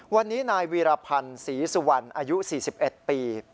วันนี้นายวีรพันธ์ศรีสุวรรณอายุ๔๑ปี